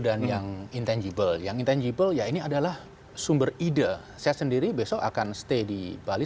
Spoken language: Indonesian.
dan yang intangible yang intangible ya ini adalah sumber ide saya sendiri besok akan stay di bali